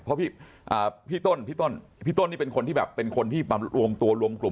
เพราะพี่ต้นพี่ต้นพี่ต้นนี่เป็นคนที่แบบเป็นคนที่มารวมตัวรวมกลุ่ม